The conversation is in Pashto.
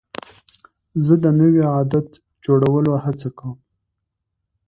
زه د نوي عادت جوړولو هڅه کوم.